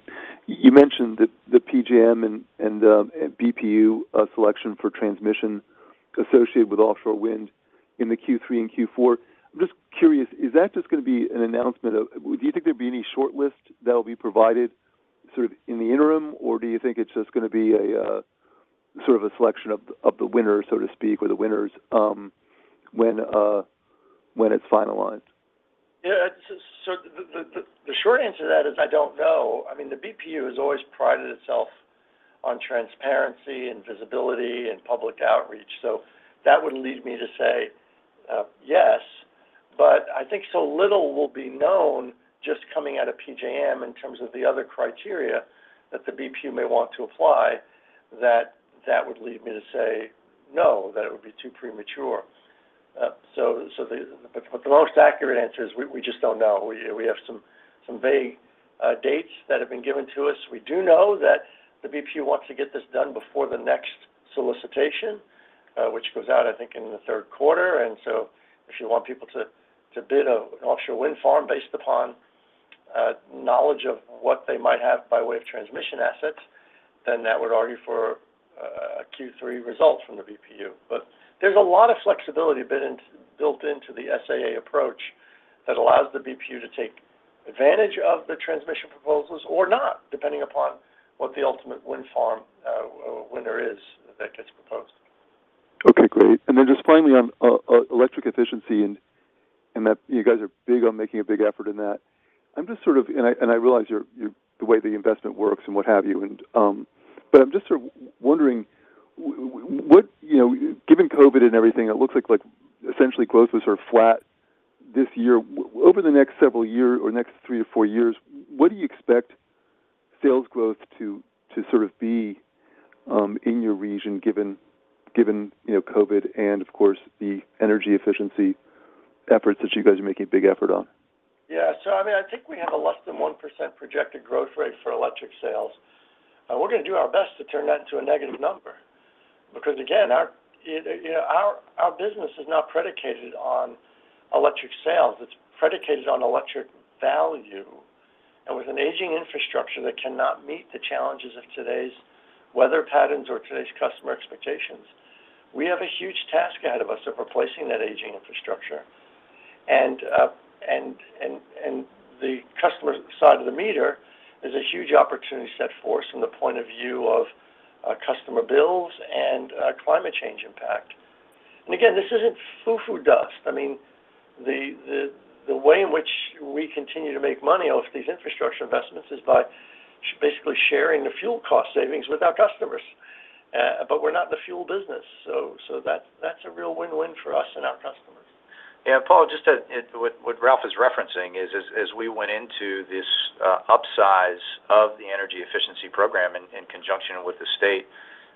PJM and BPU selection you mentioned for transmission associated with offshore wind in the Q3 and Q4. I'm just curious. Is that just gonna be an announcement, or do you think there'd be any short list that'll be provided sort of in the interim, or do you think it's just gonna be a sort of a selection of the winner, so to speak, or the winners when it's finalized? The short answer to that is I don't know. I mean, the BPU has always prided itself on transparency and visibility and public outreach. That would lead me to say yes, but I think so little will be known just coming out of PJM in terms of the other criteria that the BPU may want to apply that that would lead me to say no, that it would be too premature, but the most accurate answer is we just don't know. We have some vague dates that have been given to us. We do know that the BPU wants to get this done before the next solicitation, which goes out, I think, in the third quarter. If you want people to bid an offshore wind farm based upon knowledge of what they might have by way of transmission assets, then that would argue for a Q3 result from the BPU. There's a lot of flexibility built into the SAA approach that allows the BPU to take advantage of the transmission proposals or not, depending upon what the ultimate wind farm winner is that gets proposed. Okay, great. Just finally on energy efficiency and that you guys are big on making a big effort in that. I realize your the way the investment works and what have you. I'm just sort of wondering what, you know, given COVID and everything, it looks like essentially growth was sort of flat this year. Over the next several year or next three to four years, what do you expect sales growth to sort of be in your region given you know, COVID and of course, the energy efficiency efforts that you guys are making a big effort on? Yeah. I mean, I think we have a less than 1% projected growth rate for electric sales. We're going to do our best to turn that into a negative number because again, you know, our business is not predicated on electric sales. It's predicated on electric value. And with an aging infrastructure that cannot meet the challenges of today's weather patterns or today's customer expectations, we have a huge task ahead of us of replacing that aging infrastructure. And the customer side of the meter is a huge opportunity set for us from the point of view of customer bills and climate change impact. And again, this isn't foo foo dust. I mean, the way in which we continue to make money off these infrastructure investments is by basically sharing the fuel cost savings with our customers. We're not in the fuel business. That's a real win-win for us and our customers. Yeah. Paul, just to what Ralph is referencing is as we went into this upsize of the energy efficiency program in conjunction with the state,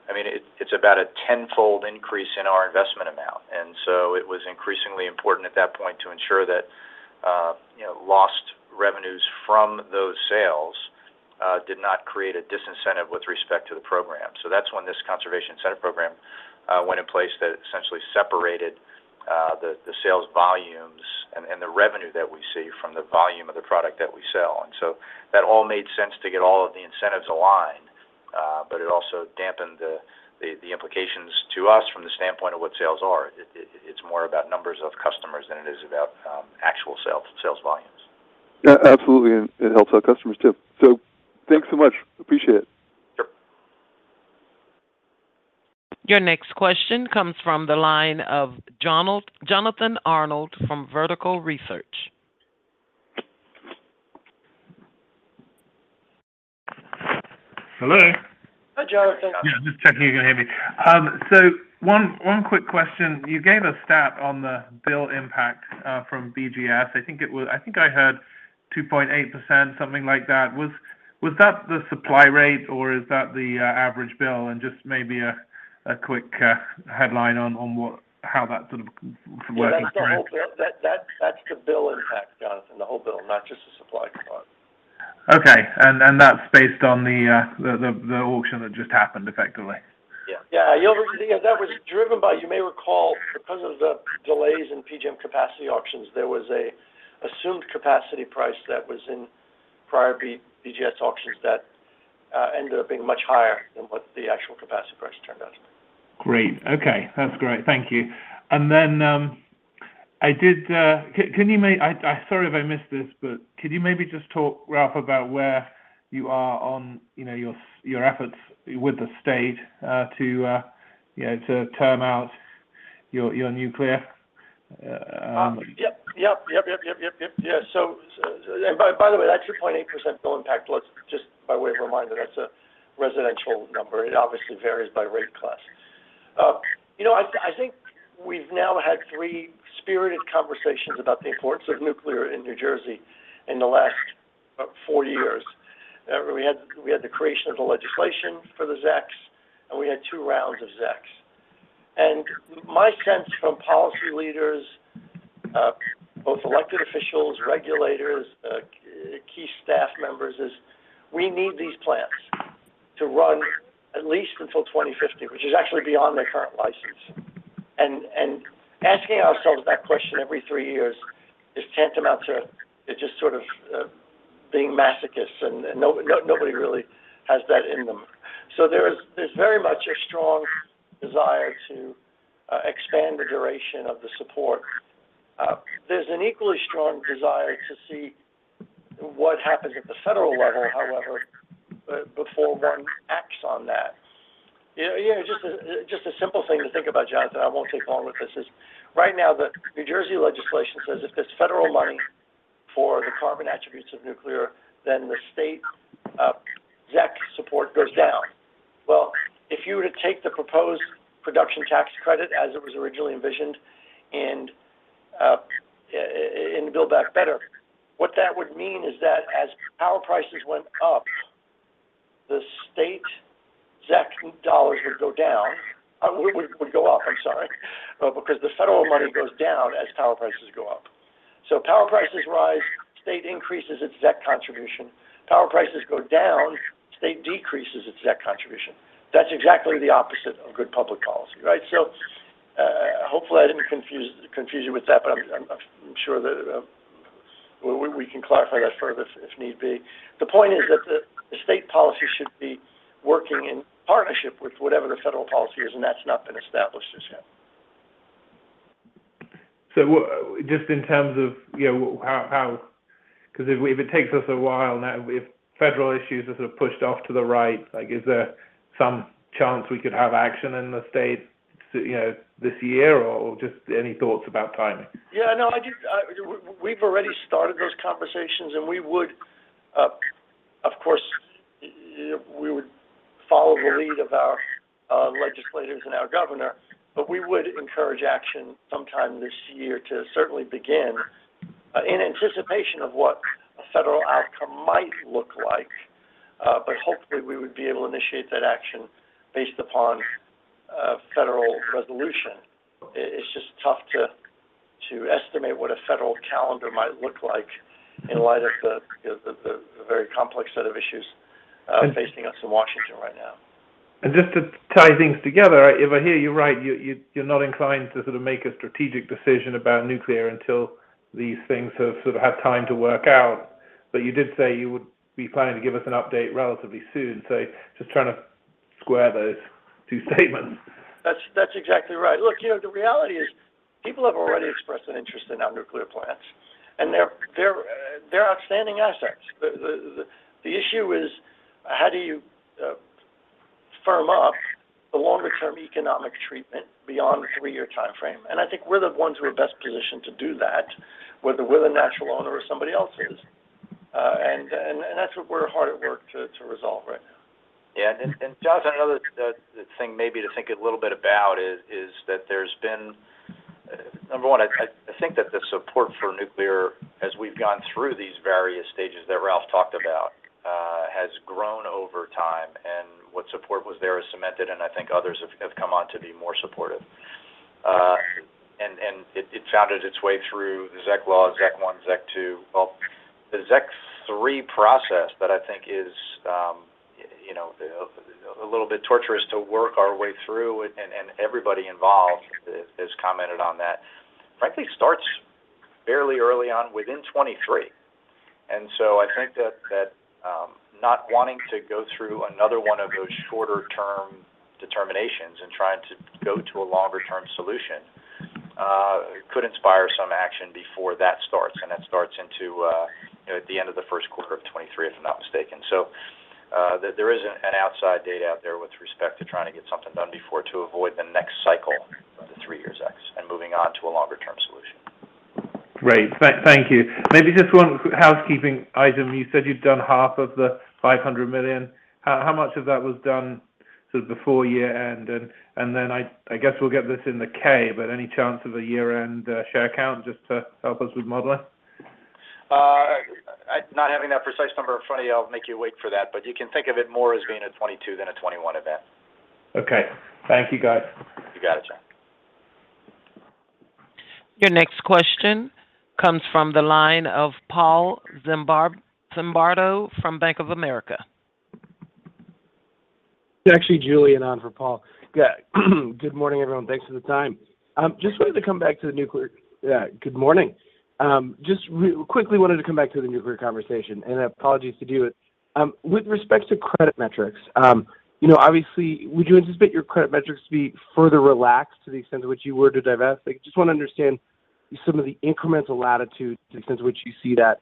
I mean, it's about a tenfold increase in our investment amount. It was increasingly important at that point to ensure that, you know, lost revenues from those sales did not create a disincentive with respect to the program. That's when this Conservation Incentive Program went in place that essentially separated the sales volumes and the revenue that we see from the volume of the product that we sell. That all made sense to get all of the incentives aligned. But it also dampened the implications to us from the standpoint of what sales are. It's more about numbers of customers than it is about actual sales and sales volumes. Yeah, absolutely. It helps our customers too. Thanks so much. Appreciate it. Sure. Your next question comes from the line of Jonathan Arnold from Vertical Research. Hello? Hi, Jonathan. Yeah, just checking you can hear me. So one quick question. You gave a stat on the bill impact from BGS. I think I heard 2.8%, something like that. Was that the supply rate or is that the average bill? Just maybe a quick headline on how that sort of works from- Yeah, that's the whole bill. That's the bill impact, Jonathan, the whole bill, not just the supply part. Okay. That's based on the auction that just happened effectively? Yeah. You know, that was driven by, you may recall, because of the delays in PJM capacity auctions, there was an assumed capacity price that was in prior BGS auctions that ended up being much higher than what the actual capacity price turned out to be. Great. Okay. That's great. Thank you. Sorry if I missed this, but could you maybe just talk, Ralph, about where you are on, you know, your efforts with the state, to you know, to term out your nuclear. Yeah. So, by the way, that 2.8% bill impact was just by way of reminder, that's a residential number. It obviously varies by rate class. You know, I think we've now had three spirited conversations about the importance of nuclear in New Jersey in the last four years. We had the creation of the legislation for the ZECs, and we had two rounds of ZECs. My sense from policy leaders, both elected officials, regulators, key staff members, is we need these plants to run at least until 2050, which is actually beyond their current license. Asking ourselves that question every three years is tantamount to just sort of being masochists. Nobody really has that in them. There's very much a strong desire to expand the duration of the support. There's an equally strong desire to see what happens at the federal level, however, before one acts on that. Yeah, just a simple thing to think about, Jonathan. I won't take long with this, is right now the New Jersey legislation says if there's federal money for the carbon attributes of nuclear, then the state ZEC support goes down. If you were to take the proposed production tax credit as it was originally envisioned and in Build Back Better, what that would mean is that as power prices went up, the state ZEC dollars would go down. Would go up, I'm sorry. Because the federal money goes down as power prices go up. Power prices rise, state increases its ZEC contribution. Power prices go down, state decreases its ZEC contribution. That's exactly the opposite of good public policy, right? Hopefully I didn't confuse you with that, but I'm sure that we can clarify that further if need be. The point is that the state policy should be working in partnership with whatever the federal policy is, and that's not been established as yet. Just in terms of, you know, how 'cause if it takes us a while now, if federal issues are sort of pushed off to the right, like, is there some chance we could have action in the state, you know, this year or just any thoughts about timing? Yeah, no, we've already started those conversations and we would, of course, we would follow the lead of our legislators and our governor, but we would encourage action sometime this year to certainly begin in anticipation of what a federal outcome might look like. Hopefully we would be able to initiate that action based upon federal resolution. It's just tough to estimate what a federal calendar might look like in light of the very complex set of issues facing us in Washington right now. Just to tie things together, if I hear you right, you're not inclined to sort of make a strategic decision about nuclear until these things have sort of had time to work out. But you did say you would be planning to give us an update relatively soon. Just trying to square those two statements. That's exactly right. Look, you know, the reality is people have already expressed an interest in our nuclear plants, and they're outstanding assets. The issue is how do you firm up the longer term economic treatment beyond a three-year timeframe? I think we're the ones who are best positioned to do that, whether we're the natural owner or somebody else is. That's what we're hard at work to resolve right now. Jonathan, another thing maybe to think a little bit about is number one, I think that the support for nuclear as we've gone through these various stages that Ralph talked about has grown over time and what support was there is cemented, and I think others have come on to be more supportive. It found its way through the ZEC law, ZEC 1, ZEC 2. Well, the ZEC 3 process that I think is you know a little bit torturous to work our way through and everybody involved has commented on that, frankly, starts fairly early on within 2023. I think that not wanting to go through another one of those shorter term determinations and trying to go to a longer term solution could inspire some action before that starts, and that starts into you know at the end of the first quarter of 2023, if I'm not mistaken. There is an outside date out there with respect to trying to get something done before to avoid the next cycle of the three-year ZEC and moving on to a longer term solution. Great. Thank you. Maybe just one housekeeping item. You said you've done half of the $500 million. How much of that was done sort of before year-end? I guess we'll get this in the K, but any chance of a year-end share count just to help us with modeling? I'm not having that precise number in front of me, I'll make you wait for that. You can think of it more as being a 2022 than a 2021 event. Okay. Thank you, guys. You got it, John. Your next question comes from the line of Paul Zimbardo from Bank of America. Actually, Julien on for Paul. Good morning, everyone. Thanks for the time. Just wanted to come back to the nuclear conversation, and apologies to you. With respect to credit metrics, you know, obviously, would you anticipate your credit metrics to be further relaxed to the extent to which you were to divest? I just want to understand some of the incremental latitude to the extent to which you see that.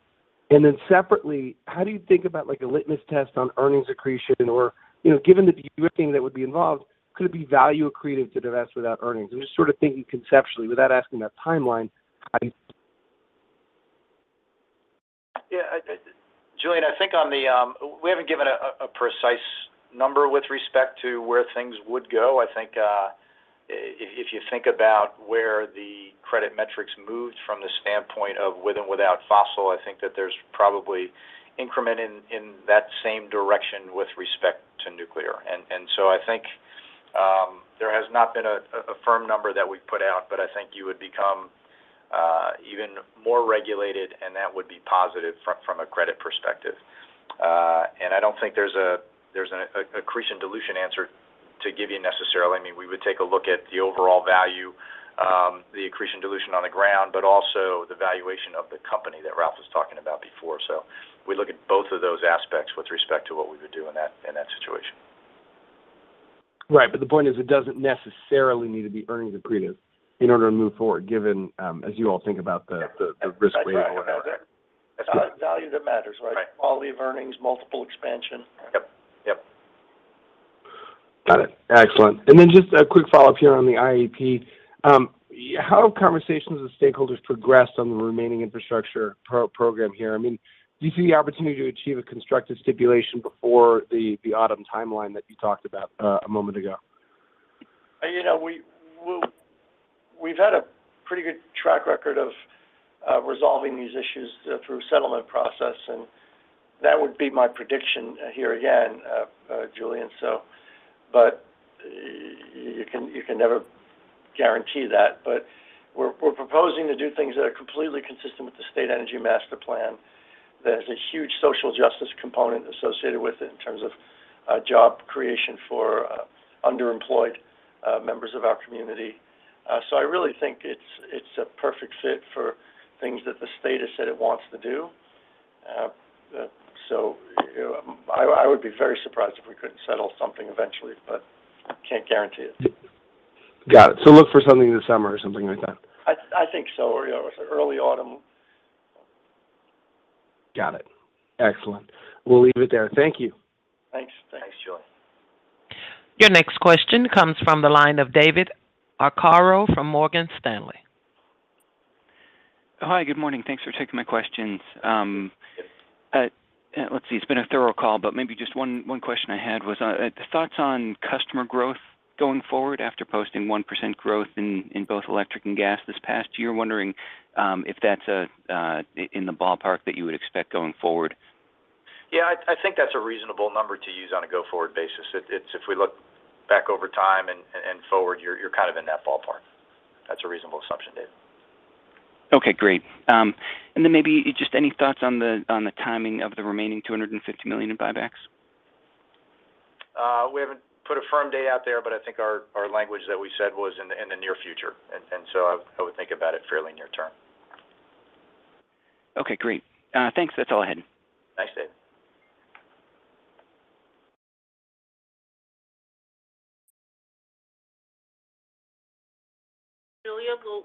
Separately, how do you think about, like, a litmus test on earnings accretion or, you know, given the de-risking that would be involved, could it be value accretive to divest without earnings? I'm just sort of thinking conceptually without asking that timeline, how do you- Yeah. Julien, I think on the. We haven't given a precise number with respect to where things would go. I think, if you think about where the credit metrics moved from the standpoint of with and without fossil, I think that there's probably increment in that same direction with respect to nuclear. I think there has not been a firm number that we've put out, but I think you would become even more regulated, and that would be positive from a credit perspective. I don't think there's an accretion dilution answer to give you necessarily. I mean, we would take a look at the overall value, the accretion dilution on the ground, but also the valuation of the company that Ralph was talking about before. We look at both of those aspects with respect to what we would do in that area. Right. The point is it doesn't necessarily need to be earnings accretive in order to move forward, given, as you all think about the risk rate or whatever. That's right. Value that matters, right? Right. Quality of earnings, multiple expansion. Yep. Yep. Got it. Excellent. Just a quick follow-up here on the IAP. How have conversations with stakeholders progressed on the remaining infrastructure program here? I mean, do you see the opportunity to achieve a constructive stipulation before the autumn timeline that you talked about a moment ago? You know, we've had a pretty good track record of resolving these issues through settlement process, and that would be my prediction here again, Julien. You can never guarantee that. We're proposing to do things that are completely consistent with the state Energy Master Plan. There's a huge social justice component associated with it in terms of job creation for underemployed members of our community. I really think it's a perfect fit for things that the state has said it wants to do. You know, I would be very surprised if we couldn't settle something eventually, but can't guarantee it. Got it. Look for something this summer or something like that? I think so, you know, early autumn. Got it. Excellent. We'll leave it there. Thank you. Thanks. Thanks, Julien. Your next question comes from the line of David Arcaro from Morgan Stanley. Hi. Good morning. Thanks for taking my questions. Let's see, it's been a thorough call, but maybe just one question I had was thoughts on customer growth going forward after posting 1% growth in both electric and gas this past year. Wondering if that's in the ballpark that you would expect going forward. Yeah. I think that's a reasonable number to use on a go-forward basis. It's if we look back over time and forward, you're kind of in that ballpark. That's a reasonable assumption, Dave. Okay, great. And then maybe just any thoughts on the timing of the remaining $250 million in buybacks? We haven't put a firm date out there, but I think our language that we said was in the near future. I would think about it fairly near term. Okay, great. Thanks. That's all I had. Thanks, Dave. Julia,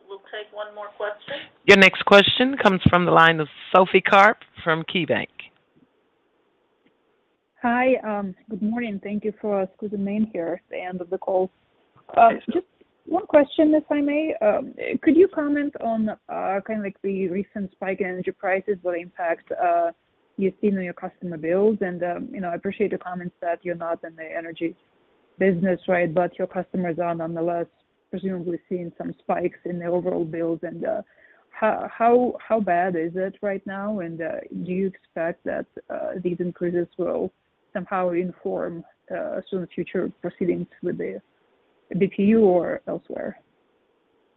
we'll take one more question. Your next question comes from the line of Sophie Karp from KeyBank. Hi. Good morning. Thank you for squeezing me in here at the end of the call. Thanks, Sophie. Just one question, if I may. Could you comment on, kind of like the recent spike in energy prices, what impact you've seen on your customer bills? You know, I appreciate your comments that you're not in the energy business, right, but your customers are nonetheless presumably seeing some spikes in their overall bills. How bad is it right now? Do you expect that these increases will somehow inform some future proceedings with the BPU or elsewhere?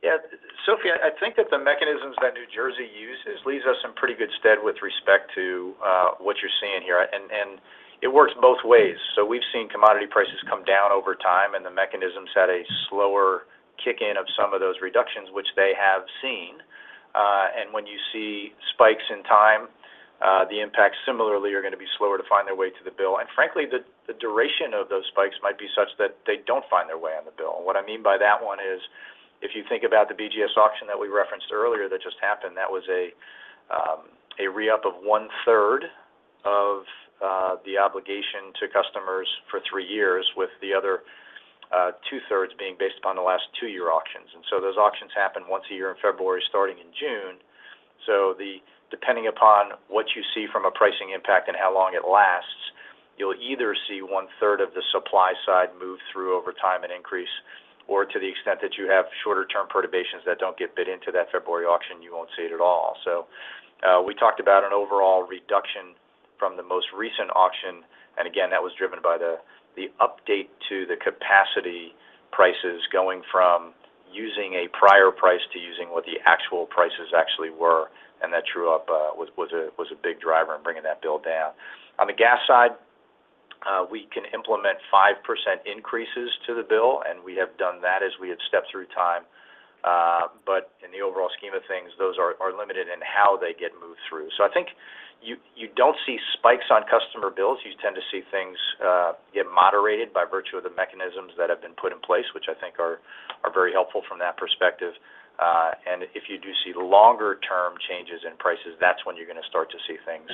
Yeah. Sophie, I think that the mechanisms that New Jersey uses leaves us in pretty good stead with respect to, what you're seeing here. It works both ways. We've seen commodity prices come down over time, and the mechanisms had a slower kick-in of some of those reductions which they have seen. When you see spikes in time, the impacts similarly are going to be slower to find their way to the bill. Frankly, the duration of those spikes might be such that they don't find their way on the bill. What I mean by that one is if you think about the BGS auction that we referenced earlier that just happened, that was a re-up of 1/3 of the obligation to customers for three years with the other 2/3 being based upon the last two-year auctions. Those auctions happen once a year in February, starting in June. Depending upon what you see from a pricing impact and how long it lasts, you'll either see 1/3 of the supply side move through over time and increase, or to the extent that you have shorter-term perturbations that don't get bid into that February auction, you won't see it at all. We talked about an overall reduction from the most recent auction, and again, that was driven by the update to the capacity prices going from using a prior price to using what the actual prices actually were, and that true up was a big driver in bringing that bill down. On the gas side, we can implement 5% increases to the bill, and we have done that as we have stepped through time. In the overall scheme of things, those are limited in how they get moved through. I think you don't see spikes on customer bills. You tend to see things get moderated by virtue of the mechanisms that have been put in place, which I think are very helpful from that perspective. If you do see longer-term changes in prices, that's when you're going to start to see things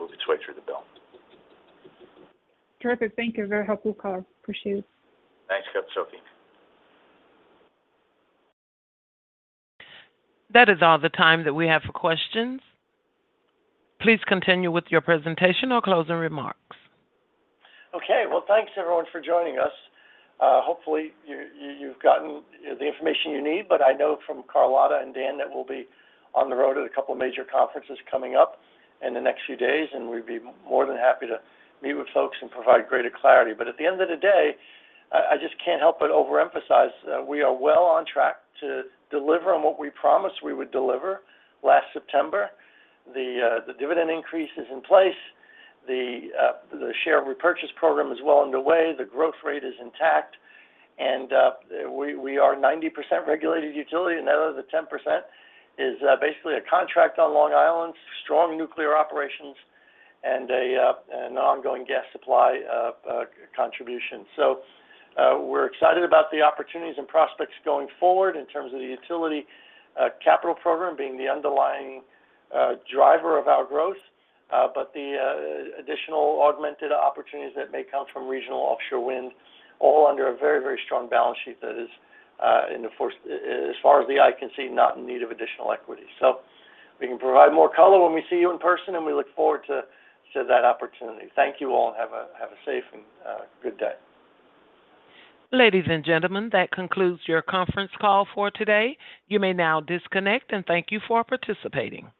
move its way through the bill. Terrific. Thank you. Very helpful call. Appreciate it. Thanks, Sophie. That is all the time that we have for questions. Please continue with your presentation or closing remarks. Okay. Well, thanks everyone for joining us. Hopefully you've gotten the information you need, but I know from Carlotta and Dan that we'll be on the road at a couple of major conferences coming up in the next few days, and we'd be more than happy to meet with folks and provide greater clarity. At the end of the day, I just can't help but overemphasize that we are well on track to deliver on what we promised we would deliver last September. The dividend increase is in place. The share repurchase program is well underway. The growth rate is intact. We are 90% regulated utility, and that other 10% is basically a contract on Long Island, strong nuclear operations and an ongoing gas supply contribution. We're excited about the opportunities and prospects going forward in terms of the utility capital program being the underlying driver of our growth. The additional augmented opportunities that may come from regional offshore wind all under a very, very strong balance sheet that is in the course as far as the eye can see, not in need of additional equity. We can provide more color when we see you in person, and we look forward to that opportunity. Thank you all. Have a safe and good day. Ladies and gentlemen, that concludes your conference call for today. You may now disconnect, and thank you for participating.